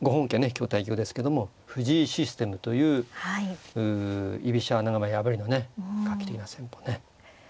今日対局ですけども藤井システムという居飛車穴熊破りの画期的な戦法ね。